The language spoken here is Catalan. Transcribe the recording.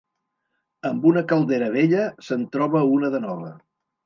Amb una caldera vella se'n troba una de nova.